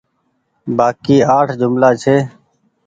بآڪي اٺ جملآ ڇي